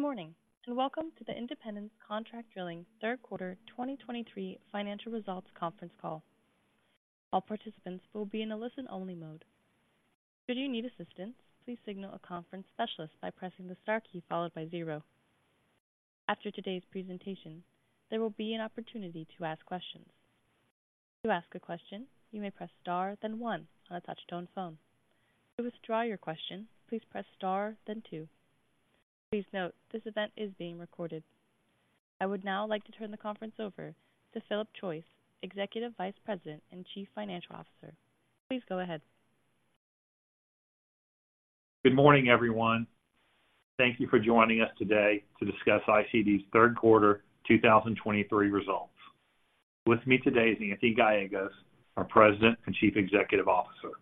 Good morning, and welcome to the Independence Contract Drilling third quarter 2023 financial results conference call. All participants will be in a listen-only mode. Should you need assistance, please signal a conference specialist by pressing the star key followed by zero. After today's presentation, there will be an opportunity to ask questions. To ask a question, you may press star, then one on a touch-tone phone. To withdraw your question, please press star, then two. Please note, this event is being recorded. I would now like to turn the conference over to Philip Choyce, Executive Vice President and Chief Financial Officer. Please go ahead. Good morning, everyone. Thank you for joining us today to discuss ICD's third quarter, 2023 results. With me today is Anthony Gallegos, our President and Chief Executive Officer.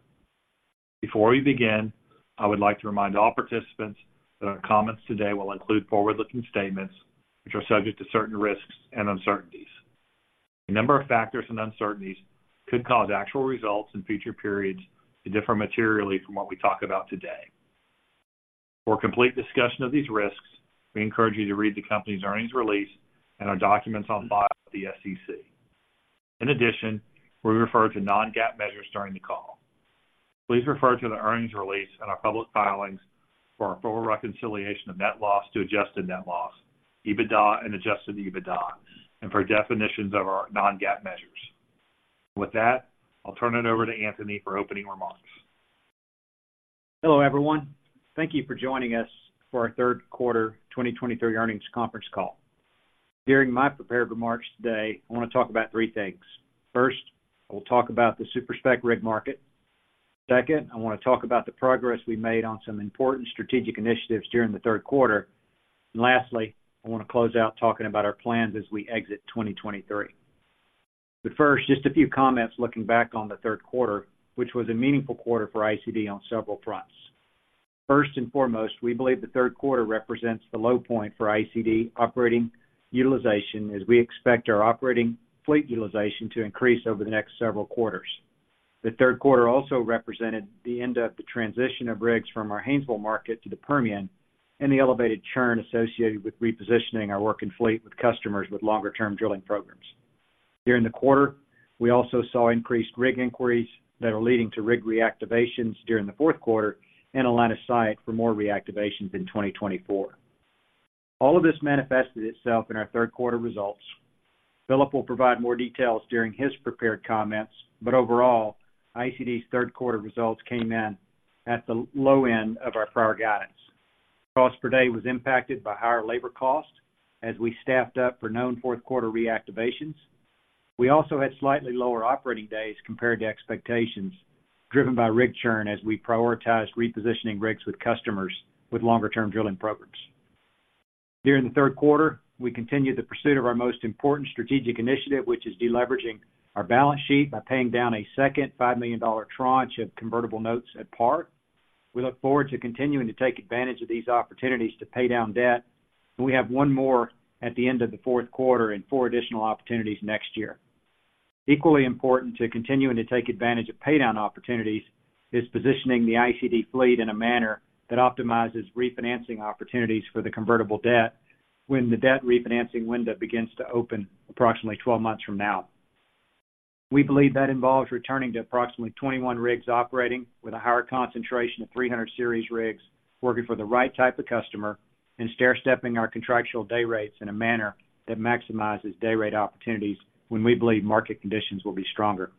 Before we begin, I would like to remind all participants that our comments today will include forward-looking statements, which are subject to certain risks and uncertainties. A number of factors and uncertainties could cause actual results in future periods to differ materially from what we talk about today. For a complete discussion of these risks, we encourage you to read the company's earnings release and our documents on file with the SEC. In addition, we refer to non-GAAP measures during the call. Please refer to the earnings release and our public filings for a full reconciliation of net loss to adjusted net loss, EBITDA and adjusted EBITDA, and for definitions of our non-GAAP measures. With that, I'll turn it over to Anthony for opening remarks. Hello, everyone. Thank you for joining us for our third quarter 2023 earnings conference call. During my prepared remarks today, I wanna talk about three things. First, I will talk about the super-spec rig market. Second, I wanna talk about the progress we made on some important strategic initiatives during the third quarter. And lastly, I wanna close out talking about our plans as we exit 2023. But first, just a few comments looking back on the third quarter, which was a meaningful quarter for ICD on several fronts. First and foremost, we believe the third quarter represents the low point for ICD operating utilization, as we expect our operating fleet utilization to increase over the next several quarters. The third quarter also represented the end of the transition of rigs from our Haynesville market to the Permian, and the elevated churn associated with repositioning our working fleet with customers with longer-term drilling programs. During the quarter, we also saw increased rig inquiries that are leading to rig reactivations during the fourth quarter and a line of sight for more reactivations in 2024. All of this manifested itself in our third quarter results. Philip will provide more details during his prepared comments, but overall, ICD's third quarter results came in at the low end of our prior guidance. Cost per day was impacted by higher labor costs as we staffed up for known fourth quarter reactivations. We also had slightly lower operating days compared to expectations, driven by rig churn as we prioritized repositioning rigs with customers with longer-term drilling programs. During the third quarter, we continued the pursuit of our most important strategic initiative, which is deleveraging our balance sheet by paying down a second $5 million tranche of convertible notes at par. We look forward to continuing to take advantage of these opportunities to pay down debt, and we have one more at the end of the fourth quarter and four additional opportunities next year. Equally important to continuing to take advantage of paydown opportunities is positioning the ICD fleet in a manner that optimizes refinancing opportunities for the convertible debt when the debt refinancing window begins to open approximately 12 months from now. We believe that involves returning to approximately 21 rigs operating with a higher concentration of 300 Series rigs, working for the right type of customer, and stairstepping our contractual day rates in a manner that maximizes day rate opportunities when we believe market conditions will be stronger.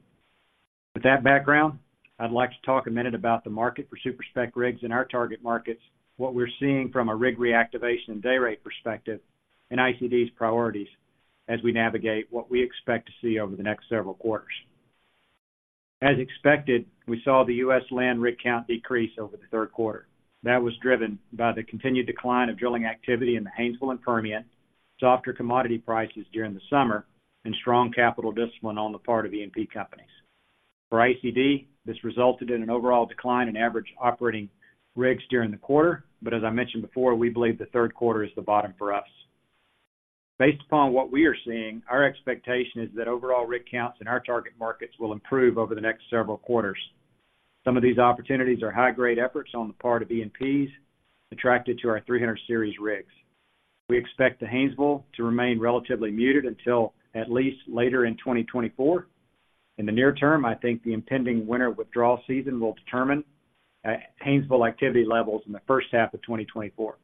With that background, I'd like to talk a minute about the market for super-spec rigs in our target markets, what we're seeing from a rig reactivation and day rate perspective, and ICD's priorities as we navigate what we expect to see over the next several quarters. As expected, we saw the U.S. land rig count decrease over the third quarter. That was driven by the continued decline of drilling activity in the Haynesville and Permian, softer commodity prices during the summer, and strong capital discipline on the part of E&P companies. For ICD, this resulted in an overall decline in average operating rigs during the quarter. But as I mentioned before, we believe the third quarter is the bottom for us. Based upon what we are seeing, our expectation is that overall rig counts in our target markets will improve over the next several quarters. Some of these opportunities are high-grade efforts on the part of E&Ps, attracted to our 300 Series rigs. We expect the Haynesville to remain relatively muted until at least later in 2024. In the near term, I think the impending winter withdrawal season will determine Haynesville activity levels in the first half of 2024.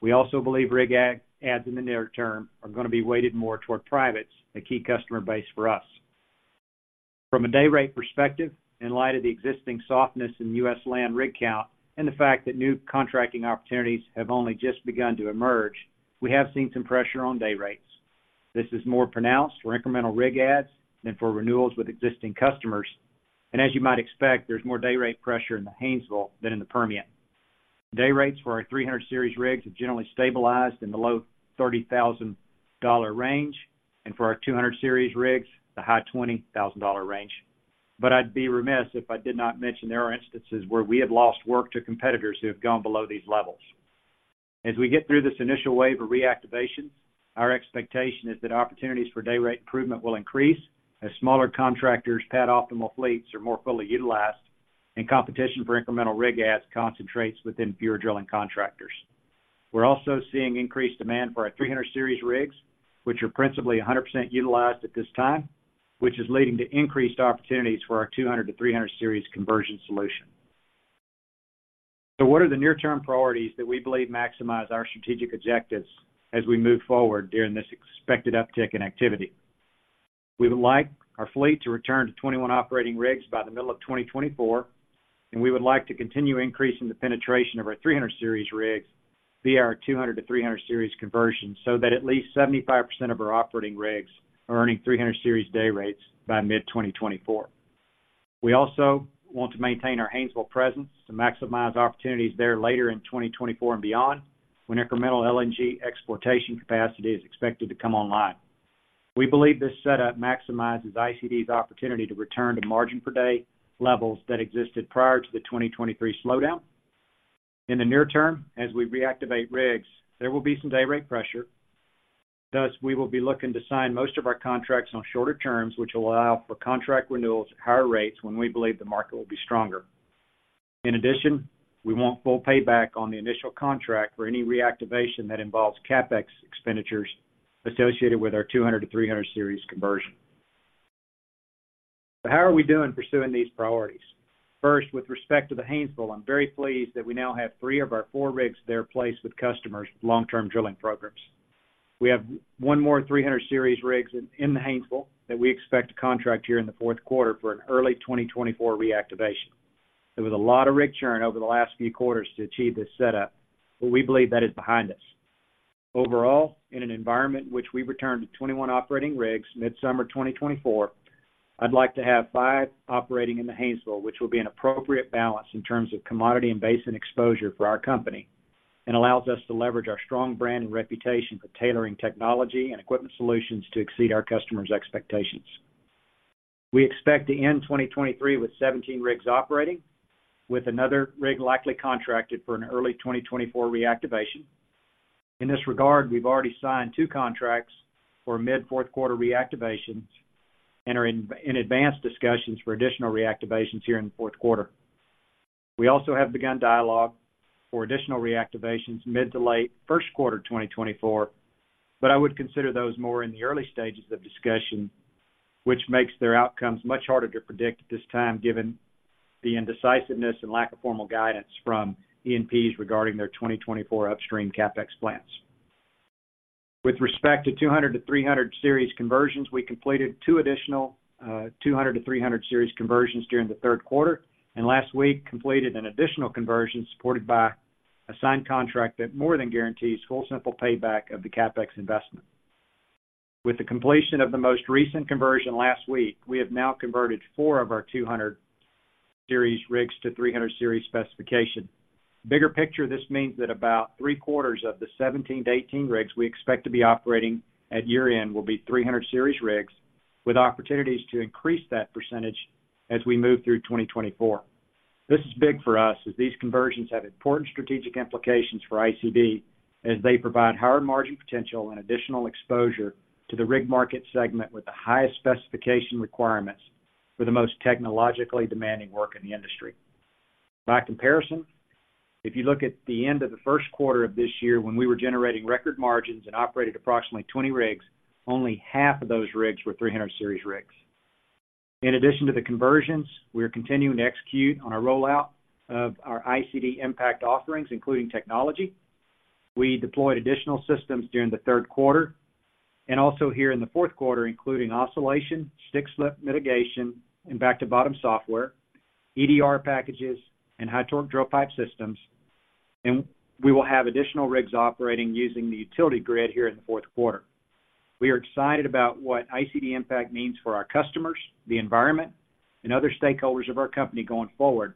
We also believe rig adds in the near term are gonna be weighted more toward privates, a key customer base for us. From a day rate perspective, in light of the existing softness in U.S. land rig count and the fact that new contracting opportunities have only just begun to emerge, we have seen some pressure on day rates. This is more pronounced for incremental rig adds than for renewals with existing customers. As you might expect, there's more day rate pressure in the Haynesville than in the Permian. Day rates for our 300 Series rigs have generally stabilized in the low $30,000 range, and for our 200 Series rigs, the high $20,000 range. But I'd be remiss if I did not mention there are instances where we have lost work to competitors who have gone below these levels. As we get through this initial wave of reactivation, our expectation is that opportunities for day rate improvement will increase as smaller contractors' pad-optimal fleets are more fully utilized, and competition for incremental rig adds concentrates within fewer drilling contractors. We're also seeing increased demand for our 300 Series rigs, which are principally 100% utilized at this time, which is leading to increased opportunities for our 200-to-300 Series conversion solution. So what are the near-term priorities that we believe maximize our strategic objectives as we move forward during this expected uptick in activity? We would like our fleet to return to 21 operating rigs by the middle of 2024, and we would like to continue increasing the penetration of our 300 Series rigs via our 200-to-300 Series conversions, so that at least 75% of our operating rigs are earning 300 Series day rates by mid-2024. We also want to maintain our Haynesville presence to maximize opportunities there later in 2024 and beyond, when incremental LNG exploitation capacity is expected to come online. We believe this setup maximizes ICD's opportunity to return to margin per day levels that existed prior to the 2023 slowdown. In the near term, as we reactivate rigs, there will be some day rate pressure, thus, we will be looking to sign most of our contracts on shorter terms, which will allow for contract renewals at higher rates when we believe the market will be stronger. In addition, we want full payback on the initial contract for any reactivation that involves CapEx expenditures associated with our 200-to-300 Series conversion. So how are we doing pursuing these priorities? First, with respect to the Haynesville, I'm very pleased that we now have three of our four rigs there placed with customers with long-term drilling programs. We have one more 300 Series rigs in the Haynesville that we expect to contract here in the fourth quarter for an early 2024 reactivation. There was a lot of rig churn over the last few quarters to achieve this setup, but we believe that is behind us. Overall, in an environment in which we return to 21 operating rigs mid-summer 2024, I'd like to have five operating in the Haynesville, which will be an appropriate balance in terms of commodity and basin exposure for our company, and allows us to leverage our strong brand and reputation for tailoring technology and equipment solutions to exceed our customers' expectations. We expect to end 2023 with 17 rigs operating, with another rig likely contracted for an early 2024 reactivation. In this regard, we've already signed two contracts for mid-fourth quarter reactivations and are in advanced discussions for additional reactivations here in the fourth quarter. We also have begun dialogue for additional reactivations mid- to late first quarter 2024, but I would consider those more in the early stages of discussion, which makes their outcomes much harder to predict at this time, given the indecisiveness and lack of formal guidance from E&Ps regarding their 2024 upstream CapEx plans. With respect to 200-to-300 Series conversions, we completed two additional 200-to-300 Series conversions during the third quarter, and last week, completed an additional conversion supported by a signed contract that more than guarantees full simple payback of the CapEx investment. With the completion of the most recent conversion last week, we have now converted four of our 200 Series rigs to 300 Series specification. Bigger picture, this means that about three-quarters of the 17-18 rigs we expect to be operating at year-end will be 300 Series rigs, with opportunities to increase that percentage as we move through 2024. This is big for us, as these conversions have important strategic implications for ICD, as they provide higher margin potential and additional exposure to the rig market segment with the highest specification requirements for the most technologically demanding work in the industry. By comparison, if you look at the end of the first quarter of this year, when we were generating record margins and operated approximately 20 rigs, only half of those rigs were 300 Series rigs. In addition to the conversions, we are continuing to execute on our rollout of our ICD Impact offerings, including technology. We deployed additional systems during the third quarter, and also here in the fourth quarter, including oscillation, stick-slip mitigation, and back-to-bottom software, EDR packages, and high torque drill pipe systems, and we will have additional rigs operating using the utility grid here in the fourth quarter. We are excited about what ICD Impact means for our customers, the environment, and other stakeholders of our company going forward,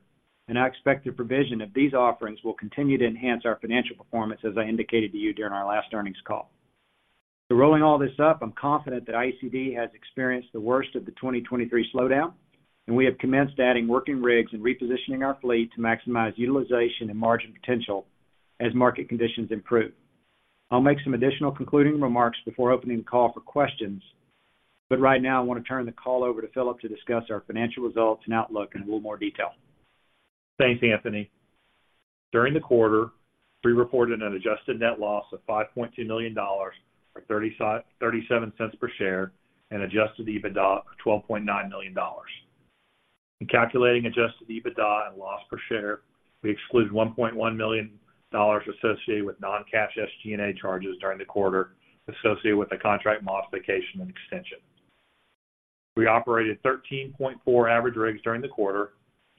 and I expect the provision of these offerings will continue to enhance our financial performance, as I indicated to you during our last earnings call. So rolling all this up, I'm confident that ICD has experienced the worst of the 2023 slowdown, and we have commenced adding working rigs and repositioning our fleet to maximize utilization and margin potential as market conditions improve. I'll make some additional concluding remarks before opening the call for questions, but right now, I want to turn the call over to Philip to discuss our financial results and outlook in a little more detail. Thanks, Anthony. During the quarter, we reported an adjusted net loss of $5.2 million, or $0.37 per share, and adjusted EBITDA of $12.9 million. In calculating adjusted EBITDA and loss per share, we exclude $1.1 million associated with non-cash SG&A charges during the quarter associated with a contract modification and extension. We operated 13.4 average rigs during the quarter,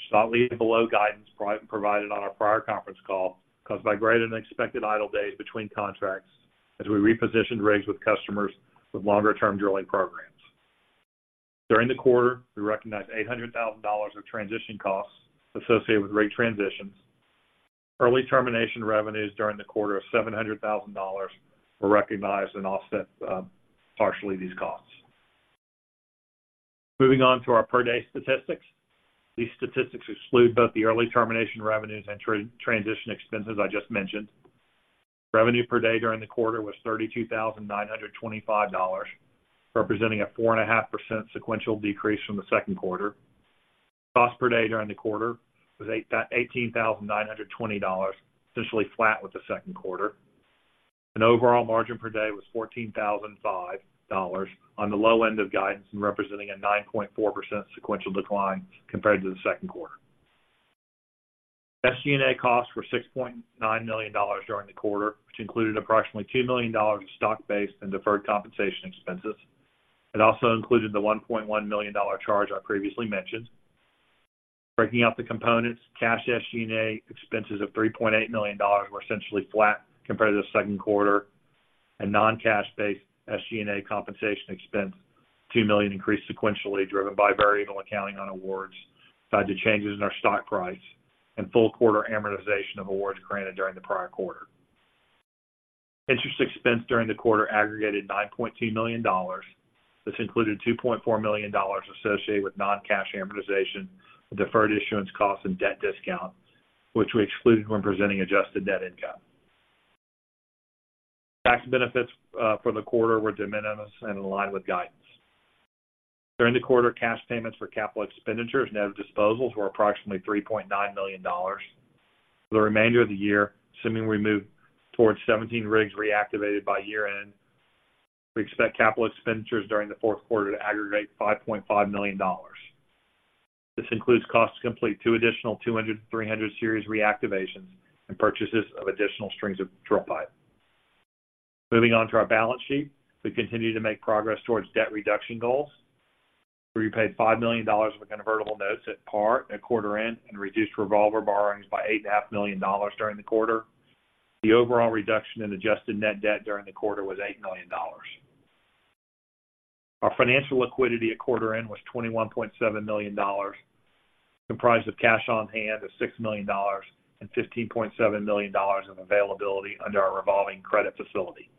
slightly below guidance provided on our prior conference call, caused by greater-than-expected idle days between contracts as we repositioned rigs with customers with longer-term drilling programs. During the quarter, we recognized $800,000 of transition costs associated with rig transitions. Early termination revenues during the quarter of $700,000 were recognized and offset partially these costs. Moving on to our per-day statistics. These statistics exclude both the early termination revenues and transition expenses I just mentioned. Revenue per day during the quarter was $32,925, representing a 4.5% sequential decrease from the second quarter. Cost per day during the quarter was $18,920, essentially flat with the second quarter. Overall margin per day was $14,005 on the low end of guidance, and representing a 9.4% sequential decline compared to the second quarter. SG&A costs were $6.9 million during the quarter, which included approximately $2 million in stock-based and deferred compensation expenses. It also included the $1.1 million charge I previously mentioned. Breaking out the components, cash SG&A expenses of $3.8 million were essentially flat compared to the second quarter, and non-cash-based SG&A compensation expense, $2 million increased sequentially, driven by variable accounting on awards due to changes in our stock price and full quarter amortization of awards granted during the prior quarter. Interest expense during the quarter aggregated $9.2 million. This included $2.4 million associated with non-cash amortization, deferred issuance costs, and debt discount, which we excluded when presenting adjusted net income. Tax benefits, for the quarter were de minimis and in line with guidance. During the quarter, cash payments for capital expenditures net of disposals were approximately $3.9 million. For the remainder of the year, assuming we move towards 17 rigs reactivated by year-end, we expect capital expenditures during the fourth quarter to aggregate $5.5 million. This includes costs to complete two additional 200-to-300 Series reactivations and purchases of additional strings of drill pipe. Moving on to our balance sheet. We continue to make progress towards debt reduction goals. We repaid $5 million of convertible notes at par at quarter-end, and reduced revolver borrowings by $8.5 million during the quarter. The overall reduction in adjusted net debt during the quarter was $8 million. Our financial liquidity at quarter-end was $21.7 million, comprised of cash on hand of $6 million and $15.7 million of availability under our revolving credit facility.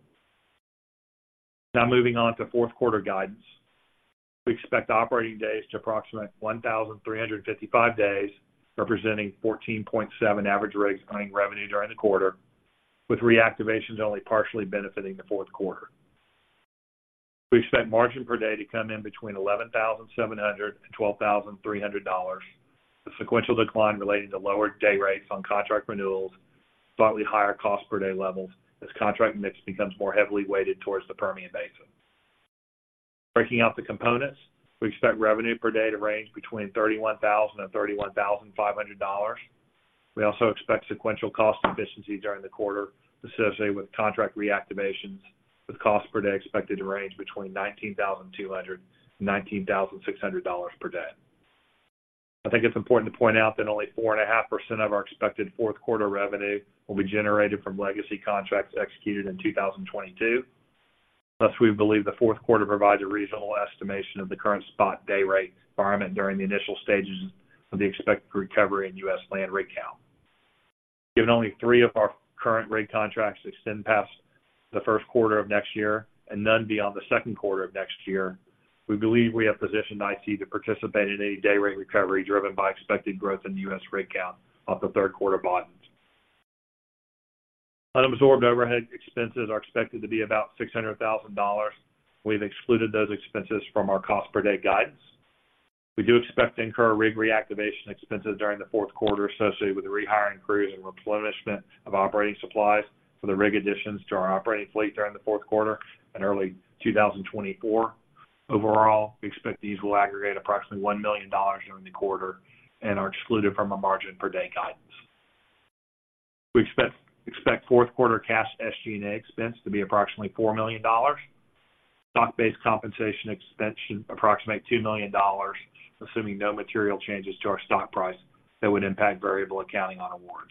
Now, moving on to fourth quarter guidance. We expect operating days to approximate 1,355 days, representing 14.7 average rigs earning revenue during the quarter, with reactivations only partially benefiting the fourth quarter. We expect margin per day to come in between $11,700-$12,300. The sequential decline relating to lower day rates on contract renewals, slightly higher cost per day levels, as contract mix becomes more heavily weighted towards the Permian Basin. Breaking out the components, we expect revenue per day to range between $31,000-$31,500. We also expect sequential cost efficiency during the quarter associated with contract reactivations, with cost per day expected to range between $19,200-$19,600 per day. I think it's important to point out that only 4.5% of our expected fourth quarter revenue will be generated from legacy contracts executed in 2022. Plus, we believe the fourth quarter provides a reasonable estimation of the current spot day rate environment during the initial stages of the expected recovery in U.S. land rig count. Given only three of our current rig contracts extend past the first quarter of next year, and none beyond the second quarter of next year, we believe we have positioned ICD to participate in any day rate recovery, driven by expected growth in the U.S. rig count off the third quarter bottoms. Unabsorbed overhead expenses are expected to be about $600,000. We've excluded those expenses from our cost per day guidance. We do expect to incur rig reactivation expenses during the fourth quarter, associated with the rehiring crews and replenishment of operating supplies for the rig additions to our operating fleet during the fourth quarter and early 2024. Overall, we expect these will aggregate approximately $1 million during the quarter and are excluded from our margin per day guidance. We expect fourth quarter cash SG&A expense to be approximately $4 million. Stock-based compensation expense should approximate $2 million, assuming no material changes to our stock price that would impact variable accounting on awards.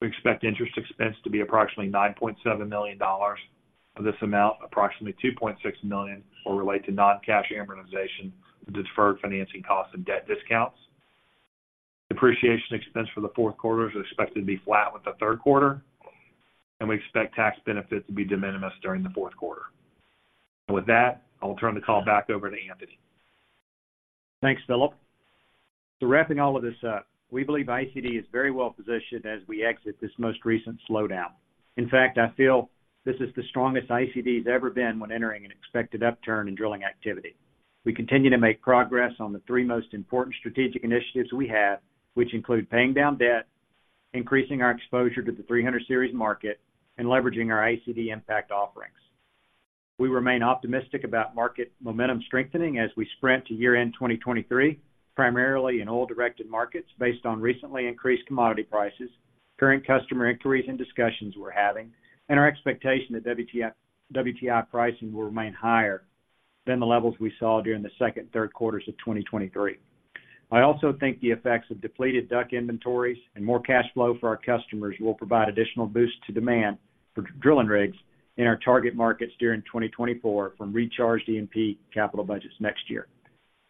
We expect interest expense to be approximately $9.7 million. Of this amount, approximately $2.6 million will relate to non-cash amortization, deferred financing costs, and debt discounts. Depreciation expense for the fourth quarter is expected to be flat with the third quarter, and we expect tax benefit to be de minimis during the fourth quarter. With that, I'll turn the call back over to Anthony. Thanks, Philip. So wrapping all of this up, we believe ICD is very well positioned as we exit this most recent slowdown. In fact, I feel this is the strongest ICD's ever been when entering an expected upturn in drilling activity. We continue to make progress on the three most important strategic initiatives we have, which include paying down debt, increasing our exposure to the 300 Series market, and leveraging our ICD Impact offerings. We remain optimistic about market momentum strengthening as we sprint to year-end 2023, primarily in oil-directed markets, based on recently increased commodity prices, current customer inquiries and discussions we're having, and our expectation that WTI, WTI pricing will remain higher than the levels we saw during the second and third quarters of 2023. I also think the effects of depleted DUC inventories and more cash flow for our customers will provide additional boost to demand for drilling rigs in our target markets during 2024 from recharged E&P capital budgets next year.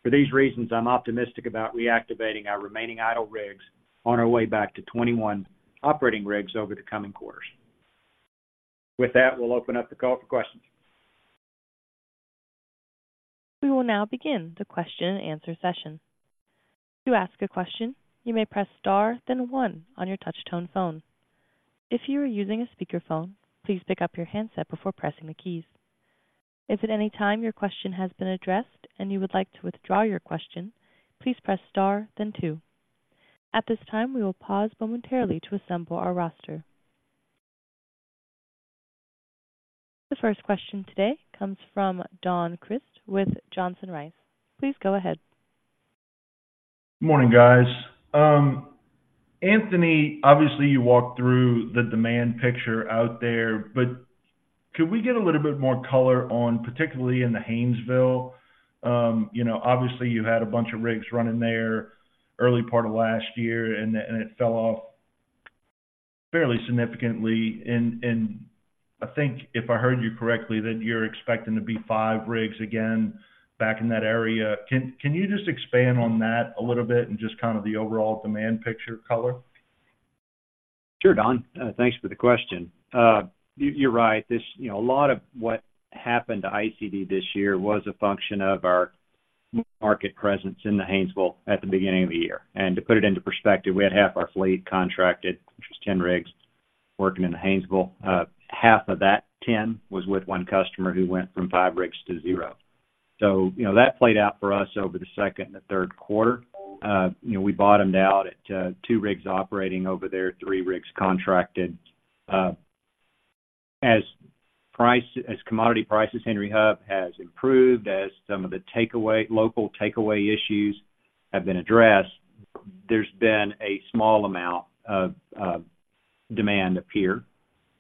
For these reasons, I'm optimistic about reactivating our remaining idle rigs on our way back to 21 operating rigs over the coming quarters. With that, we'll open up the call for questions. We will now begin the question-and-answer session. To ask a question, you may press star, then one on your touchtone phone. If you are using a speakerphone, please pick up your handset before pressing the keys. If at any time your question has been addressed and you would like to withdraw your question, please press star then two. At this time, we will pause momentarily to assemble our roster. The first question today comes from Don Crist with Johnson Rice. Please go ahead. Good morning, guys. Anthony, obviously, you walked through the demand picture out there, but could we get a little bit more color on, particularly in the Haynesville? You know, obviously, you had a bunch of rigs running there early part of last year, and it fell off fairly significantly. And I think if I heard you correctly, that you're expecting to be five rigs again back in that area. Can you just expand on that a little bit and just kind of the overall demand picture color? Sure, Don. Thanks for the question. You're right. This, you know, a lot of what happened to ICD this year was a function of our market presence in the Haynesville at the beginning of the year. And to put it into perspective, we had half our fleet contracted, which was 10 rigs working in the Haynesville. Half of that 10 was with one customer who went from five rigs to zero. So you know, that played out for us over the second and the third quarter. You know, we bottomed out at two rigs operating over there, three rigs contracted. As price, as commodity prices in Henry Hub has improved, as some of the takeaway, local takeaway issues have been addressed, there's been a small amount of demand appear.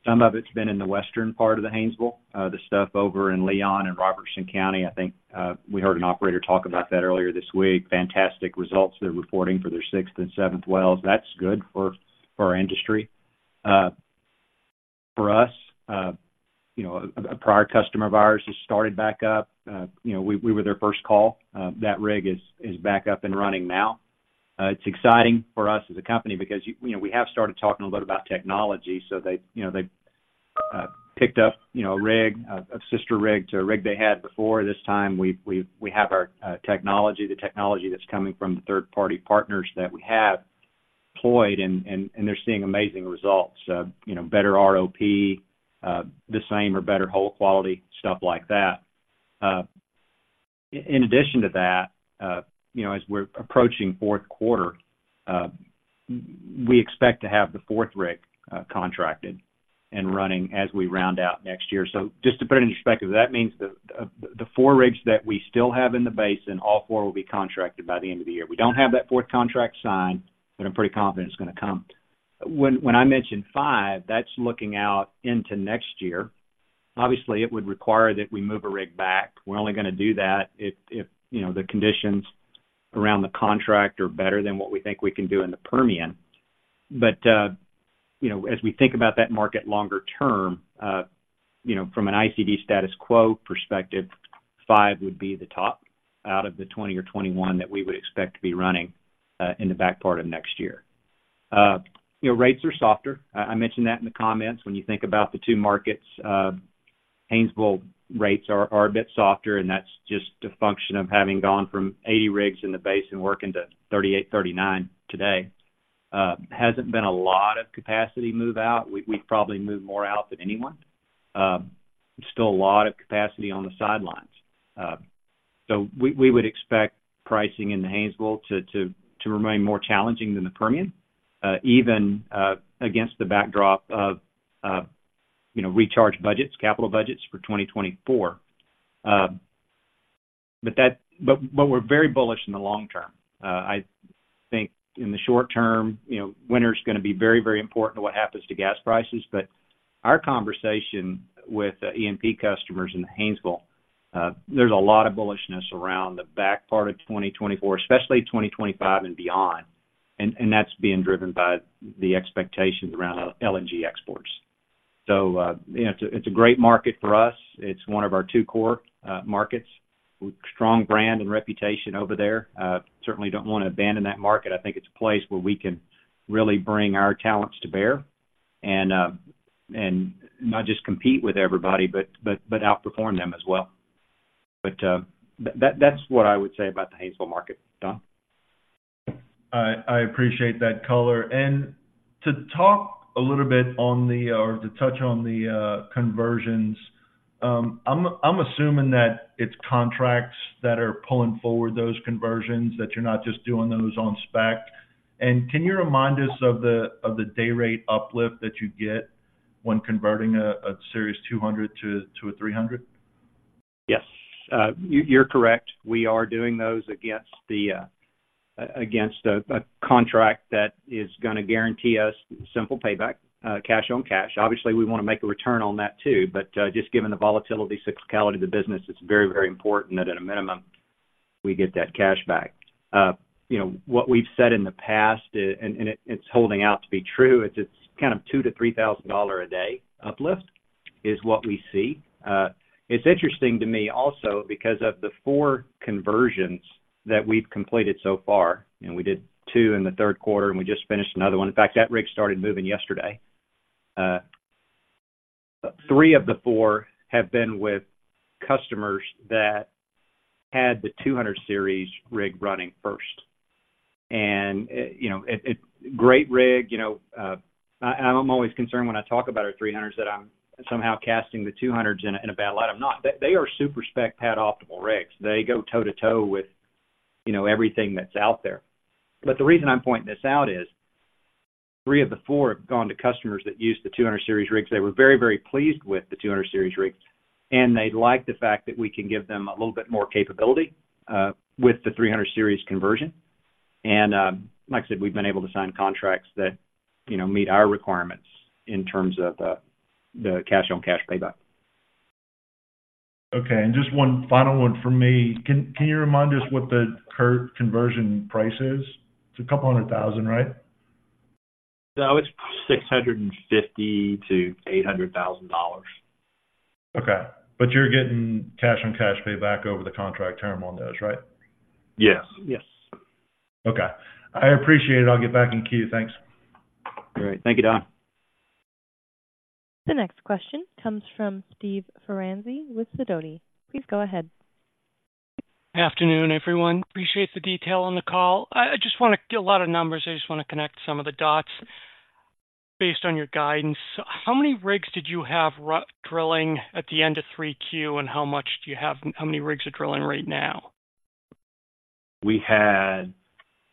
Some of it's been in the western part of the Haynesville, the stuff over in Leon and Robertson County. I think we heard an operator talk about that earlier this week. Fantastic results they're reporting for their sixth and seventh wells. That's good for our industry. For us, you know, a prior customer of ours just started back up. You know, we were their first call. That rig is back up and running now. It's exciting for us as a company because, you know, we have started talking a little about technology. So they, you know, they picked up, you know, a rig, a sister rig to a rig they had before. This time, we have our technology, the technology that's coming from the third-party partners that we have deployed, and they're seeing amazing results. You know, better ROP, the same or better hole quality, stuff like that. In addition to that, you know, as we're approaching fourth quarter, we expect to have the fourth rig contracted and running as we round out next year. So just to put it into perspective, that means the four rigs that we still have in the basin, all four will be contracted by the end of the year. We don't have that fourth contract signed, but I'm pretty confident it's gonna come. When I mention five, that's looking out into next year. Obviously, it would require that we move a rig back. We're only gonna do that if you know, the conditions around the contract are better than what we think we can do in the Permian. But you know, as we think about that market longer term, you know, from an ICD status quo perspective, five would be the top out of the 20 or 21 that we would expect to be running in the back part of next year. You know, rates are softer. I mentioned that in the comments. When you think about the two markets, Haynesville rates are a bit softer, and that's just a function of having gone from 80 rigs in the basin, working to 38, 39 today. Hasn't been a lot of capacity move out. We've probably moved more out than anyone. There's still a lot of capacity on the sidelines. So we would expect pricing in the Haynesville to remain more challenging than the Permian, even against the backdrop of, you know, recharged budgets, capital budgets for 2024. But we're very bullish in the long term. I think in the short term, you know, winter's gonna be very important to what happens to gas prices. But our conversation with E&P customers in the Haynesville, there's a lot of bullishness around the back part of 2024, especially 2025 and beyond. And that's being driven by the expectations around LNG exports. So, you know, it's a great market for us. It's one of our two core markets, with strong brand and reputation over there. Certainly don't want to abandon that market. I think it's a place where we can really bring our talents to bear and not just compete with everybody, but outperform them as well. But that's what I would say about the Haynesville market, Don. I appreciate that color. And to touch on the conversions, I'm assuming that it's contracts that are pulling forward those conversions, that you're not just doing those on spec. And can you remind us of the day rate uplift that you get when converting a Series 200 to a 300? Yes. You're correct. We are doing those against a contract that is gonna guarantee us simple payback, cash on cash. Obviously, we wanna make a return on that too, but just given the volatility, cyclicality of the business, it's very, very important that at a minimum, we get that cash back. You know, what we've said in the past, and it's holding out to be true, it's $2,000-$3,000 a day uplift is what we see. It's interesting to me also, because of the four conversions that we've completed so far, and we did two in the third quarter, and we just finished another one. In fact, that rig started moving yesterday. Three of the four have been with customers that had the 200 Series rig running first. And, you know, great rig, you know, and I'm always concerned when I talk about our 300s, that I'm somehow casting the 200s in a bad light. I'm not. They are super-spec pad-optimal rigs. They go toe-to-toe with, you know, everything that's out there. But the reason I'm pointing this out is, three of the four have gone to customers that use the 200 Series rigs. They were very, very pleased with the 200 Series rigs, and they like the fact that we can give them a little bit more capability with the 300 Series conversion. And, like I said, we've been able to sign contracts that, you know, meet our requirements in terms of the cash-on-cash payback. Okay. Just one final one from me. Can you remind us what the current conversion price is? It's $200,000, right? No, it's $650,000-$800,000. Okay. But you're getting cash on cash payback over the contract term on those, right? Yes. Yes. Okay. I appreciate it. I'll get back in queue. Thanks. All right. Thank you, Don. The next question comes from Steve Ferazani with Sidoti. Please go ahead. Afternoon, everyone. Appreciate the detail on the call. I just wanna get a lot of numbers. I just wanna connect some of the dots based on your guidance. How many rigs did you have running drilling at the end of 3Q? And how many rigs are drilling right now? We had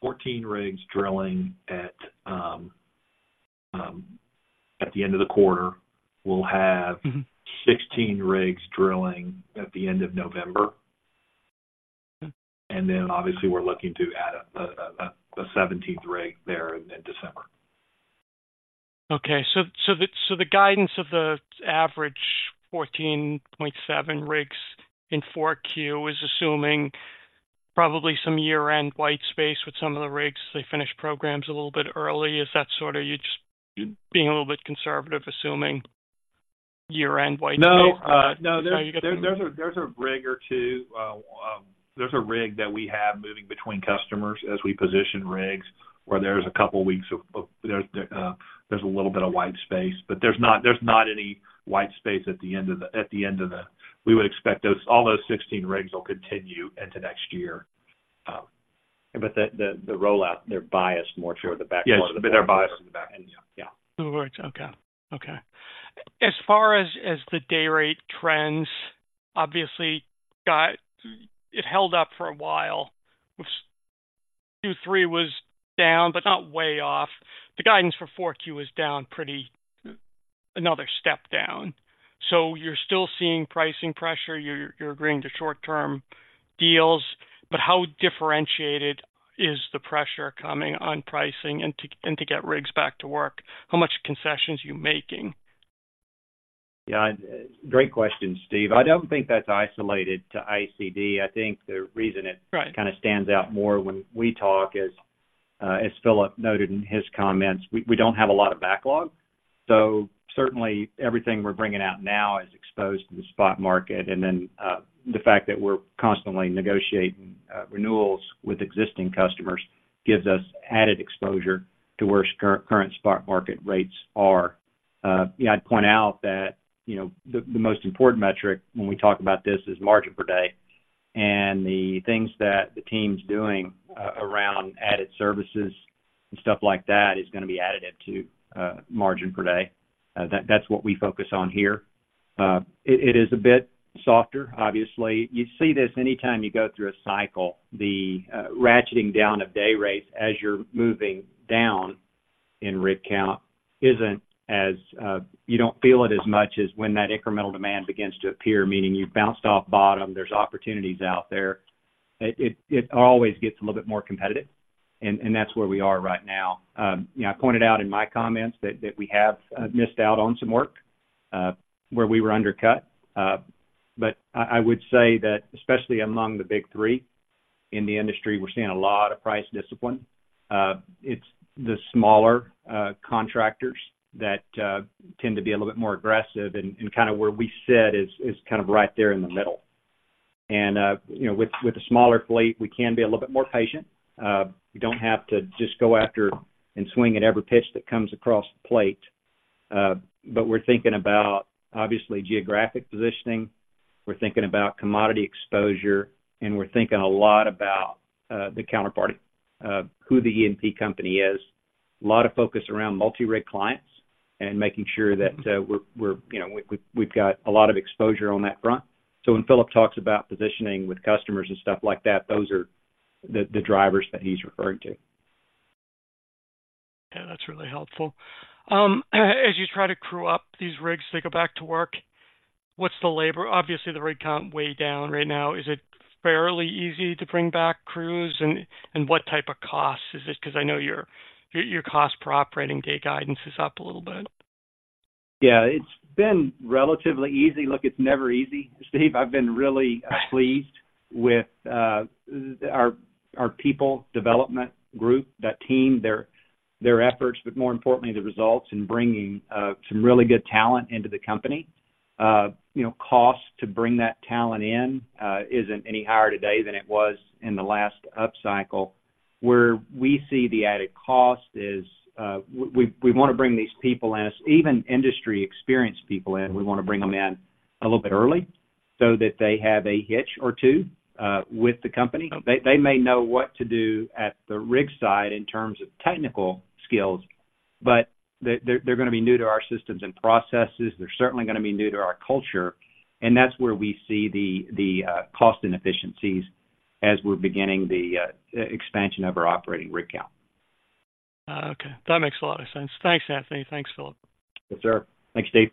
14 rigs drilling at the end of the quarter. Mm-hmm. We'll have 16 rigs drilling at the end of November. Mm. And then, obviously, we're looking to add a 17th rig there in December. Okay. So, the guidance of the average 14.7 rigs in 4Q is assuming probably some year-end white space with some of the rigs. They finish programs a little bit early. Is that sort of just you being a little bit conservative, assuming year-end white space? No, no, there's- That's how you get the- There's a rig or two, there's a rig that we have moving between customers as we position rigs, where there's a couple weeks of, there's a little bit of white space. But there's not any white space at the end of the, at the end of the. We would expect those, all those 16 rigs will continue into next year. But the rollout, they're biased more toward the back part- Yes, they're biased to the back, yeah. All right. Okay. Okay. As far as, as the day rate trends, obviously, it held up for a while, which Q3 was down, but not way off. The guidance for Q4 is down pretty, another step down. So you're still seeing pricing pressure, you're, you're agreeing to short-term deals, but how differentiated is the pressure coming on pricing and to, and to get rigs back to work? How much concessions are you making? Yeah, great question, Steve. I don't think that's isolated to ICD. I think the reason it- Right.... kinda stands out more when we talk is, as Philip noted in his comments, we don't have a lot of backlog. So certainly, everything we're bringing out now is exposed to the spot market. And then, the fact that we're constantly negotiating renewals with existing customers, gives us added exposure to where current spot market rates are. Yeah, I'd point out that, you know, the most important metric when we talk about this, is margin per day. And the things that the team's doing around added services and stuff like that, is gonna be additive to margin per day. That's what we focus on here. It is a bit softer. Obviously, you see this anytime you go through a cycle, the ratcheting down of day rates as you're moving down in rig count, isn't as you don't feel it as much as when that incremental demand begins to appear, meaning you've bounced off bottom, there's opportunities out there. It always gets a little bit more competitive, and that's where we are right now. You know, I pointed out in my comments that we have missed out on some work where we were undercut. But I would say that, especially among the Big Three in the industry, we're seeing a lot of price discipline. It's the smaller contractors that tend to be a little bit more aggressive and kinda where we sit is kind of right there in the middle. You know, with a smaller fleet, we can be a little bit more patient. We don't have to just go after and swing at every pitch that comes across the plate. But we're thinking about, obviously, geographic positioning, we're thinking about commodity exposure, and we're thinking a lot about the counterparty, who the E&P company is. A lot of focus around multi-rig clients and making sure that, you know, we've got a lot of exposure on that front. So when Philip talks about positioning with customers and stuff like that, those are the drivers that he's referring to. Yeah, that's really helpful. As you try to crew up these rigs to go back to work, what's the labor? Obviously, the rig count way down right now. Is it fairly easy to bring back crews? And what type of costs is it? Because I know your cost per operating day guidance is up a little bit. Yeah, it's been relatively easy. Look, it's never easy, Steve. I've been really pleased with our people development group, that team, their efforts, but more importantly, the results in bringing some really good talent into the company. You know, cost to bring that talent in isn't any higher today than it was in the last upcycle... where we see the added cost is, we wanna bring these people in, even industry experienced people in. We wanna bring them in a little bit early so that they have a hitch or two with the company. They may know what to do at the rig site in terms of technical skills, but they're gonna be new to our systems and processes. They're certainly gonna be new to our culture, and that's where we see the cost inefficiencies as we're beginning the expansion of our operating rig count. Okay, that makes a lot of sense. Thanks, Anthony. Thanks, Philip. Yes, sir. Thanks, Steve.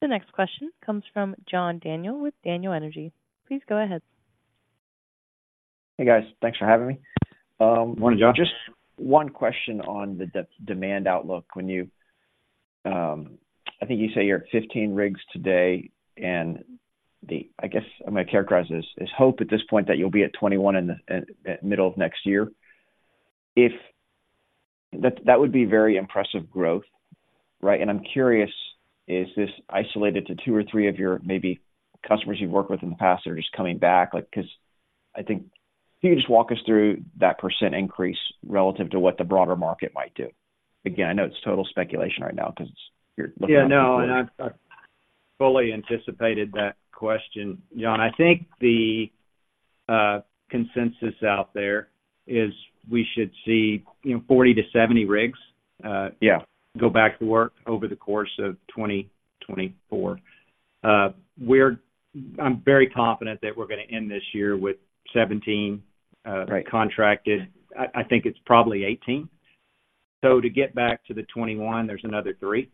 The next question comes from John Daniel with Daniel Energy. Please go ahead. Hey, guys. Thanks for having me. Good morning, John. Just one question on the demand outlook. When you, I think you say you're at 15 rigs today, and the—I guess I'm gonna characterize this, is hope at this point that you'll be at 21 in the, in, middle of next year. If—That, that would be very impressive growth, right? And I'm curious, is this isolated to two or three of your maybe customers you've worked with in the past that are just coming back? Like, 'cause I think—Can you just walk us through that percent increase relative to what the broader market might do? Again, I know it's total speculation right now, 'cause you're looking at- Yeah, no, and I fully anticipated that question, John. I think the consensus out there is we should see, you know, 40-70 rigs- Uh, yeah.... go back to work over the course of 2024. We're very confident that we're gonna end this year with 17. Right. ...contracted. I think it's probably 18. So to get back to the 21, there's another three-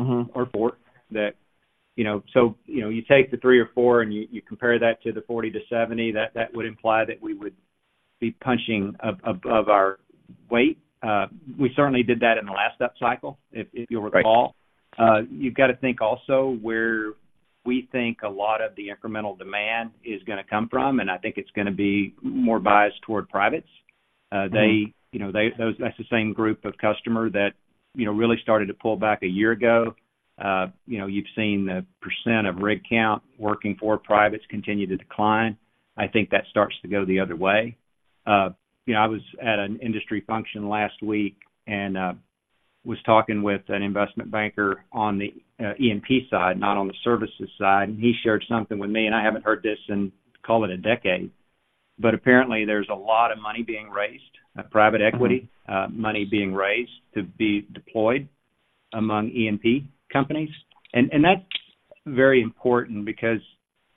Mm-hmm.... or four that, you know. So, you know, you take the three or four, and you compare that to the 40-70. That would imply that we would be punching above our weight. We certainly did that in the last up cycle, if you'll recall. Right. You've got to think also, where we think a lot of the incremental demand is gonna come from, and I think it's gonna be more biased toward privates. Mm-hmm. You know, that's the same group of customer that, you know, really started to pull back a year ago. You know, you've seen the percent of rig count working for privates continue to decline. I think that starts to go the other way. You know, I was at an industry function last week and was talking with an investment banker on the E&P side, not on the services side. And he shared something with me, and I haven't heard this in, call it a decade, but apparently there's a lot of money being raised. Mm-hmm.... private equity money being raised to be deployed among E&P companies. And that's very important because,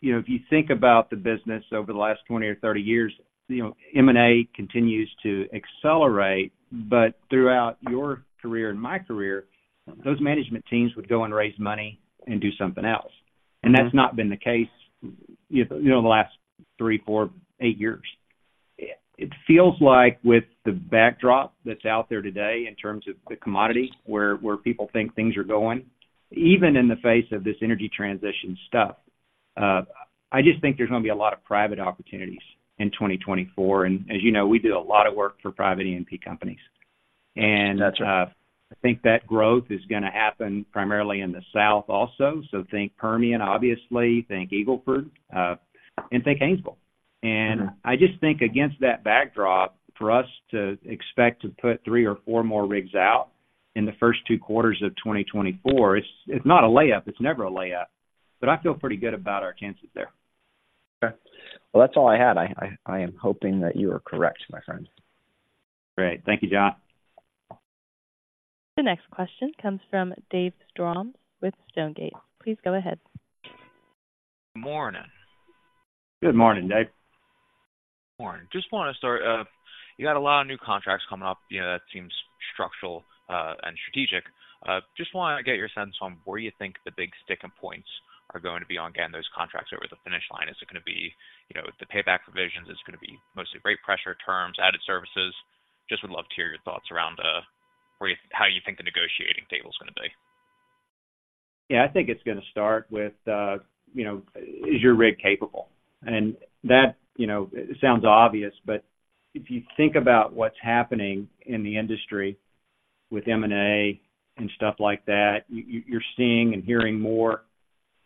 you know, if you think about the business over the last 20 or 30 years, you know, M&A continues to accelerate, but throughout your career and my career, those management teams would go and raise money and do something else. Mm-hmm. And that's not been the case, you know, the last three, four, eight years. It feels like with the backdrop that's out there today, in terms of the commodity, where people think things are going, even in the face of this energy transition stuff. I just think there's gonna be a lot of private opportunities in 2024. And as you know, we do a lot of work for private E&P companies. That's right. And, I think that growth is gonna happen primarily in the south also. So think Permian, obviously, think Eagle Ford, and think Haynesville. Mm-hmm. I just think against that backdrop, for us to expect to put three or four more rigs out in the first two quarters of 2024, it's not a layup. It's never a layup, but I feel pretty good about our chances there. Okay. Well, that's all I had. I am hoping that you are correct, my friend. Great. Thank you, John. The next question comes from Dave Strom with Stonegate. Please go ahead. Morning. Good morning, Dave. Morning. Just wanna start, you got a lot of new contracts coming up. You know, that seems structural and strategic. Just wanna get your sense on where you think the big sticking points are going to be on getting those contracts over the finish line. Is it gonna be, you know, the payback provisions? Is it gonna be mostly rate pressure terms, added services? Just would love to hear your thoughts around where you, how you think the negotiating table is gonna be? Yeah, I think it's gonna start with, you know, is your rig capable? And that, you know, it sounds obvious, but if you think about what's happening in the industry with M&A and stuff like that, you're seeing and hearing more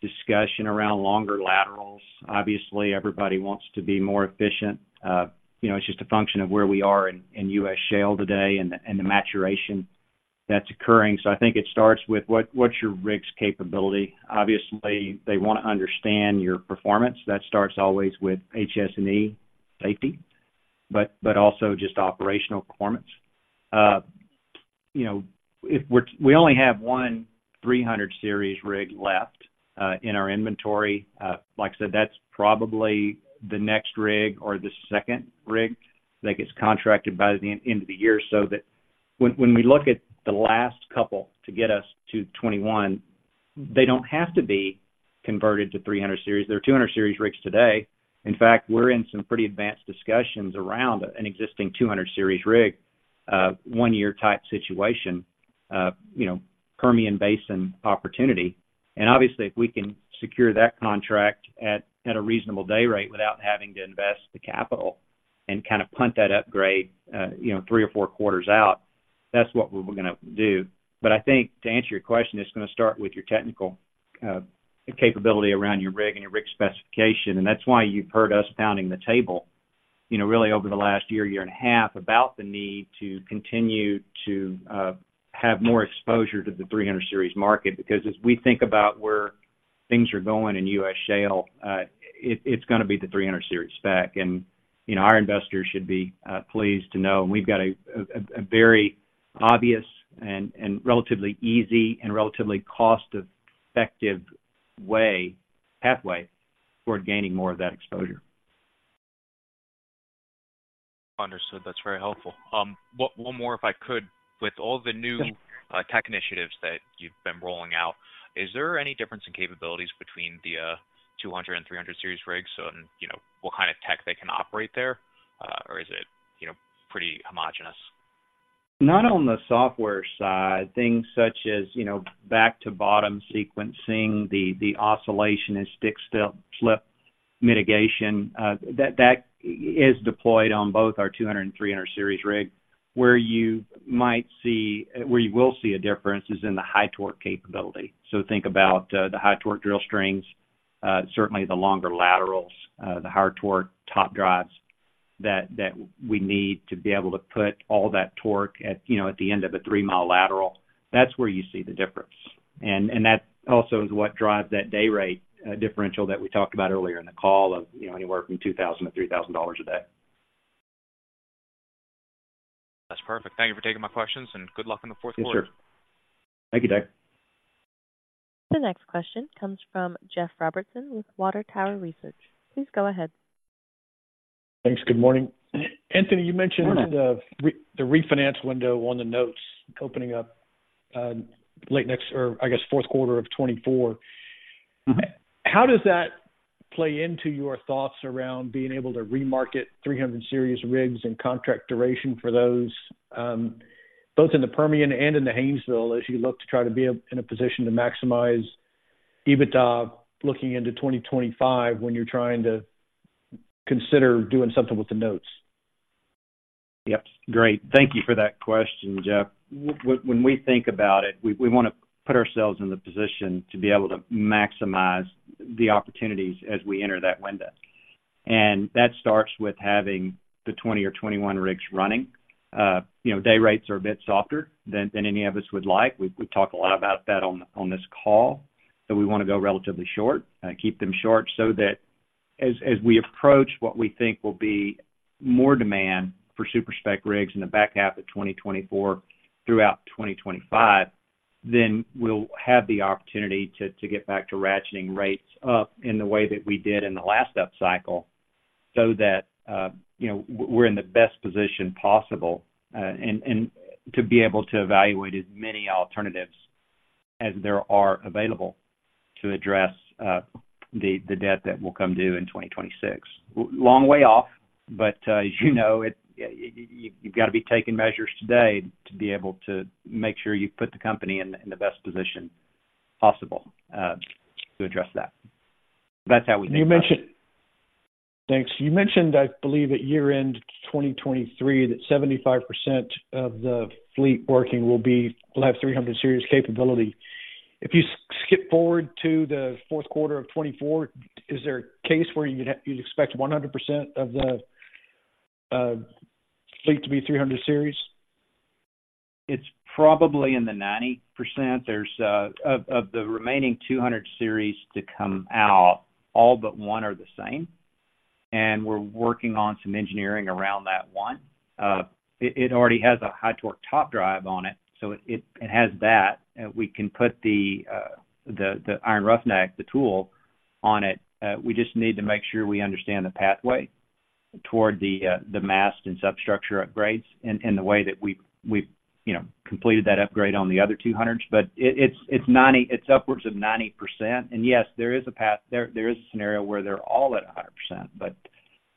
discussion around longer laterals. Obviously, everybody wants to be more efficient. You know, it's just a function of where we are in the U.S. shale today and the maturation that's occurring. So I think it starts with what's your rig's capability? Obviously, they wanna understand your performance. That starts always with HS&E safety, but also just operational performance. You know, if we only have one 300 Series rig left in our inventory. Like I said, that's probably the next rig or the second rig that gets contracted by the end of the year. So that when we look at the last couple to get us to 21, they don't have to be converted to 300 Series. They're 200 Series rigs today. In fact, we're in some pretty advanced discussions around an existing 200 Series rig, one-year type situation, you know, Permian Basin opportunity. And obviously, if we can secure that contract at a reasonable day rate without having to invest the capital and kind of punt that upgrade, you know, three or four quarters out. That's what we were gonna do. But I think to answer your question, it's gonna start with your technical capability around your rig and your rig specification. That's why you've heard us pounding the table, you know, really over the last year and a half, about the need to continue to have more exposure to the 300 Series market, because as we think about where things are going in U.S. shale, it's gonna be the 300 Series spec. You know, our investors should be pleased to know, and we've got a very obvious and relatively easy and relatively cost-effective pathway toward gaining more of that exposure. Understood. That's very helpful. One more, if I could. With all the new- Sure. Tech initiatives that you've been rolling out, is there any difference in capabilities between the 200 and 300 Series rigs on, you know, what kind of tech they can operate there? Or is it, you know, pretty homogenous? Not on the software side. Things such as, you know, back to bottom sequencing, the oscillation and stick-slip mitigation that is deployed on both our 200 and 300 Series rigs. Where you might see—where you will see a difference is in the high-torque capability. So think about the high-torque drill strings, certainly the longer laterals, the higher-torque top drives that we need to be able to put all that torque at, you know, at the end of a 3 mi lateral. That's where you see the difference. And that also is what drives that day rate differential that we talked about earlier in the call of, you know, anywhere from $2000-$3000 a day. That's perfect. Thank you for taking my questions, and good luck in the fourth quarter. Yes, sir. Thank you, Dave. The next question comes from Jeff Robertson with Water Tower Research. Please go ahead. Thanks. Good morning. Good morning. Anthony, you mentioned the refinance window on the notes opening up, late next or I guess fourth quarter of 2024. Mm-hmm. How does that play into your thoughts around being able to remarket 300 Series rigs and contract duration for those, both in the Permian and in the Haynesville, as you look to try to be in a position to maximize EBITDA, looking into 2025, when you're trying to consider doing something with the notes? Yep. Great. Thank you for that question, Jeff. When we think about it, we wanna put ourselves in the position to be able to maximize the opportunities as we enter that window. And that starts with having the 20 or 21 rigs running. You know, day rates are a bit softer than any of us would like. We talked a lot about that on this call, that we wanna go relatively short, keep them short, so that as we approach what we think will be more demand for super spec rigs in the back half of 2024 throughout 2025, then we'll have the opportunity to get back to ratcheting rates up in the way that we did in the last upcycle, so that, you know, we're in the best position possible, and to be able to evaluate as many alternatives as there are available to address the debt that will come due in 2026. Long way off, but as you know, you've got to be taking measures today to be able to make sure you put the company in the best position possible, to address that. That's how we think about it. You mentioned... Thanks. You mentioned, I believe, at year-end 2023, that 75% of the fleet working will have 300 Series capability. If you skip forward to the fourth quarter of 2024, is there a case where you'd expect 100% of the fleet to be 300 Series? It's probably 90%. Of the remaining 200 Series to come out, all but one are the same, and we're working on some engineering around that one. It already has a high torque top drive on it, so it has that. We can put the iron roughneck, the tool on it. We just need to make sure we understand the pathway toward the mast and substructure upgrades in the way that we've, you know, completed that upgrade on the other 200s. But it's upwards of 90%. And yes, there is a path. There is a scenario where they're all at 100%. But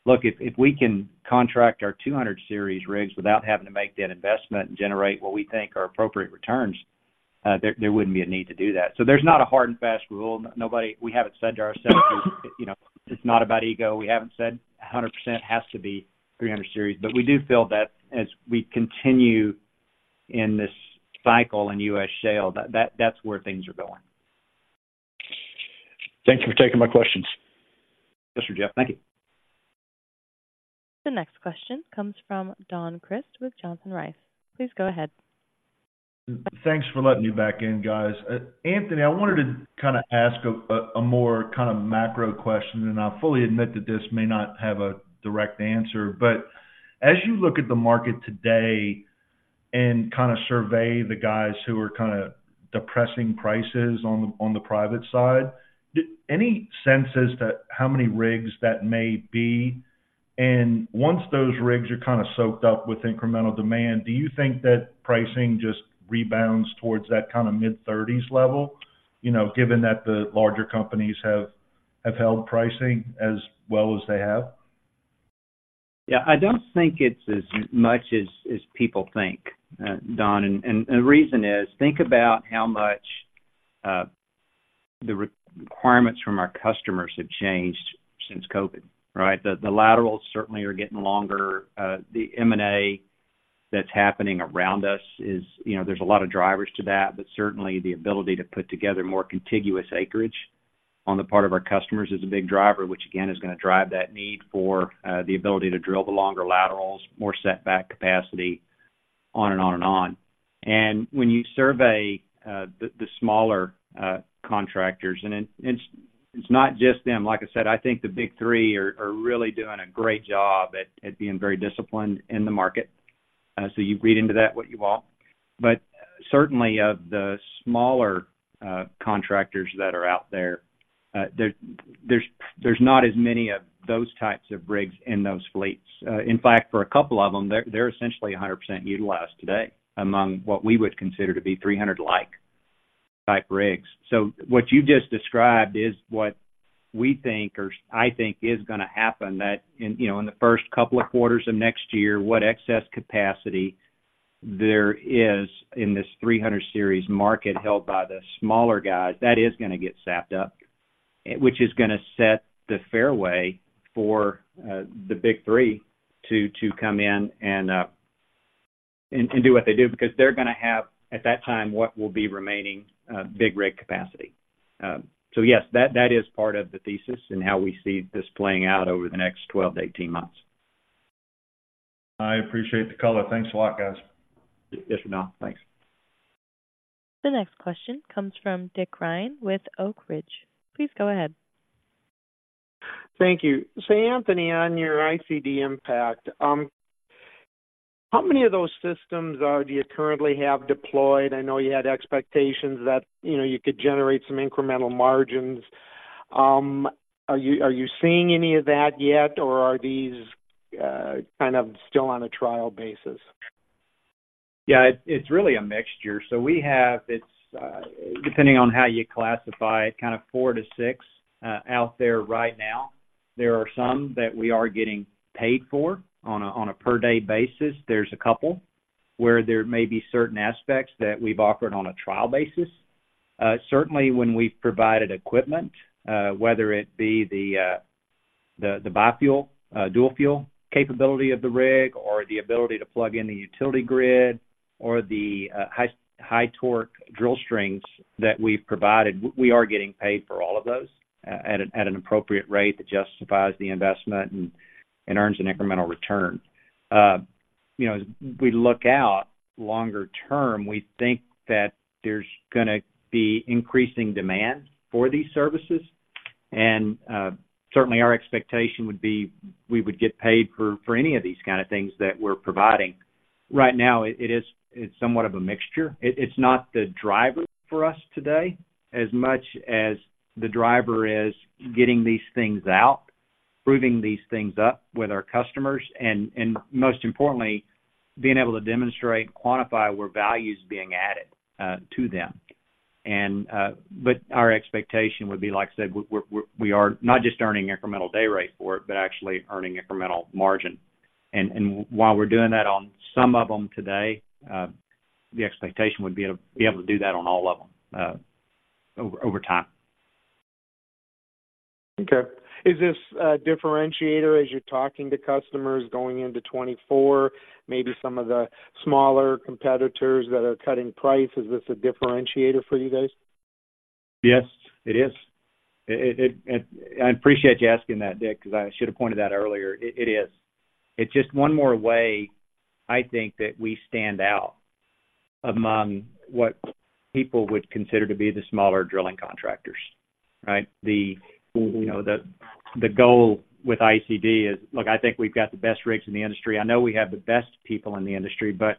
look, if we can contract our 200 Series rigs without having to make that investment and generate what we think are appropriate returns, there wouldn't be a need to do that. So there's not a hard and fast rule. Nobody. We haven't said to ourselves, you know, it's not about ego. We haven't said 100% has to be 300 Series. But we do feel that as we continue in this cycle in U.S. shale, that's where things are going. Thank you for taking my questions. Yes, sir, Jeff. Thank you. The next question comes from Don Crist with Johnson Rice. Please go ahead. Thanks for letting me back in, guys. Anthony, I wanted to kind of ask a more kind of macro question, and I'll fully admit that this may not have a direct answer. But as you look at the market today and kind of survey the guys who are kind of depressing prices on the private side, any sense as to how many rigs that may be? And once those rigs are kind of soaked up with incremental demand, do you think that pricing just rebounds towards that kind of mid-30s level, you know, given that the larger companies have held pricing as well as they have? Yeah, I don't think it's as much as, as people think, Don. And the reason is, think about how much the requirements from our customers have changed since COVID, right? The laterals certainly are getting longer. The M&A that's happening around us is, you know, there's a lot of drivers to that, but certainly, the ability to put together more contiguous acreage on the part of our customers is a big driver, which again, is gonna drive that need for the ability to drill the longer laterals, more setback capacity, on and on and on. And when you survey the smaller contractors, and it's not just them. Like I said, I think the Big Three are really doing a great job at being very disciplined in the market, so you read into that what you want. But certainly, of the smaller contractors that are out there, there's not as many of those types of rigs in those fleets. In fact, for a couple of them, they're essentially 100% utilized today among what we would consider to be 300 like-type rigs. So what you've just described is what we think or I think is gonna happen, that in, you know, in the first couple of quarters of next year, what excess capacity there is in this 300 Series market, held by the smaller guys, that is gonna get sapped up, which is gonna set the fairway for the Big Three to come in and do what they do, because they're gonna have, at that time, what will be remaining big rig capacity. So yes, that is part of the thesis and how we see this playing out over the next 12-18 months. I appreciate the color. Thanks a lot, guys. Yes or no. Thanks. The next question comes from Richard Ryan with Oak Ridge. Please go ahead. Thank you. So, Anthony, on your ICD Impact, how many of those systems do you currently have deployed? I know you had expectations that, you know, you could generate some incremental margins. Are you seeing any of that yet, or are these kind of still on a trial basis? Yeah, it's really a mixture. So we have. It's depending on how you classify it, kind of four to six out there right now. There are some that we are getting paid for on a per-day basis. There's a couple where there may be certain aspects that we've offered on a trial basis. Certainly, when we've provided equipment, whether it be the biofuel dual-fuel capability of the rig, or the ability to plug in the utility grid, or the high torque drill strings that we've provided, we are getting paid for all of those at an appropriate rate that justifies the investment and earns an incremental return. You know, as we look out longer term, we think that there's gonna be increasing demand for these services. Certainly, our expectation would be we would get paid for any of these kind of things that we're providing. Right now, it is it's somewhat of a mixture. It, it's not the driver for us today, as much as the driver is getting these things out, proving these things up with our customers, and most importantly, being able to demonstrate, quantify, where value is being added to them. But our expectation would be, like I said, we're we're we are not just earning incremental day rate for it, but actually earning incremental margin. And while we're doing that on some of them today, the expectation would be to be able to do that on all of them over time. Okay. Is this a differentiator as you're talking to customers going into 2024, maybe some of the smaller competitors that are cutting price? Is this a differentiator for you guys? Yes, it is. I appreciate you asking that, Richard, because I should have pointed that out earlier. It is. It's just one more way, I think, that we stand out among what people would consider to be the smaller drilling contractors, right? Mm-hmm. You know, the goal with ICD is... Look, I think we've got the best rigs in the industry. I know we have the best people in the industry, but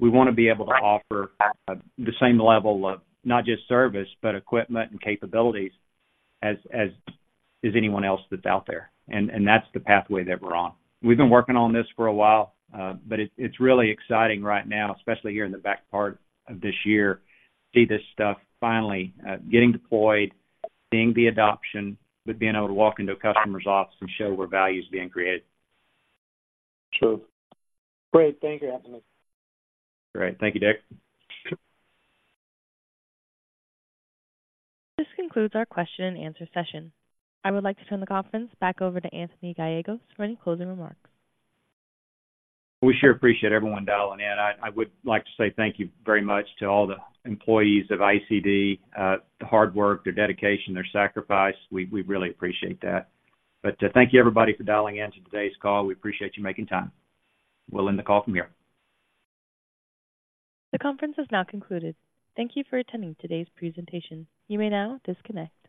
we want to be able to offer the same level of not just service, but equipment and capabilities as anyone else that's out there, and that's the pathway that we're on. We've been working on this for a while, but it's really exciting right now, especially here in the back part of this year, to see this stuff finally getting deployed, seeing the adoption, with being able to walk into a customer's office and show where value is being created. True. Great. Thank you, Anthony. All right. Thank you, RichardDick. This concludes our question-and-answer session. I would like to turn the conference back over to Anthony Gallegos for any closing remarks. We sure appreciate everyone dialing in. I would like to say thank you very much to all the employees of ICD. Their hard work, their dedication, their sacrifice, we really appreciate that. But, thank you, everybody, for dialing in to today's call. We appreciate you making time. We'll end the call from here. The conference is now concluded. Thank you for attending today's presentation. You may now disconnect.